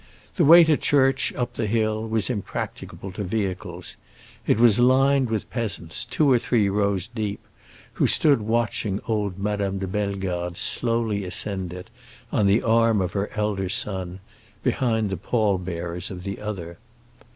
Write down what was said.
The way to church, up the hill, was impracticable to vehicles. It was lined with peasants, two or three rows deep, who stood watching old Madame de Bellegarde slowly ascend it, on the arm of her elder son, behind the pall bearers of the other.